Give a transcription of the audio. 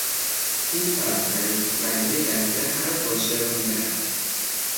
این فرهنگ معنی دقیق هر واژه را میدهد.